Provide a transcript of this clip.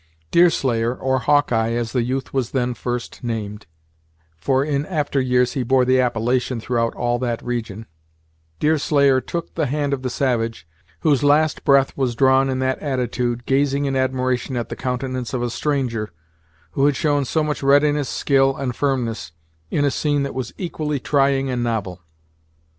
Deerslayer or Hawkeye, as the youth was then first named, for in after years he bore the appellation throughout all that region Deerslayer took the hand of the savage, whose last breath was drawn in that attitude, gazing in admiration at the countenance of a stranger, who had shown so much readiness, skill, and firmness, in a scene that was equally trying and novel.